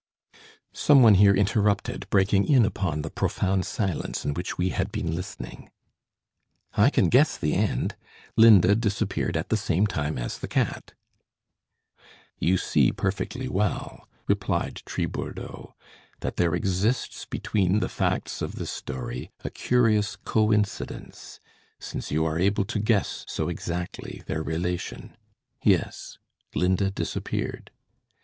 Some one here interrupted, breaking in upon the profound silence in which we had been listening. "I can guess the end. Linda disappeared at the same time as the cat." "You see perfectly well," replied Tribourdeaux, "that there exists between the facts of this story a curious coincidence, since you are able to guess so exactly their relation. Yes, Linda disappeared.